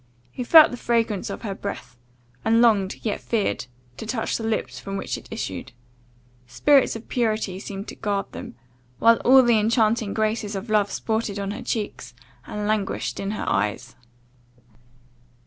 He felt the fragrance of her breath, and longed, yet feared, to touch the lips from which it issued; spirits of purity seemed to guard them, while all the enchanting graces of love sported on her cheeks, and languished in her eyes.